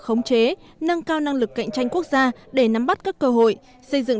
khống chế nâng cao năng lực cạnh tranh quốc gia để nắm bắt các cơ hội xây dựng